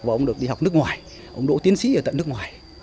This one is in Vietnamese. và ông được đi học nước ngoài ông đỗ tiến sĩ ở tận nước ngoài